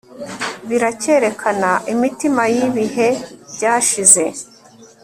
Biracyerekana imitima yibihe byashize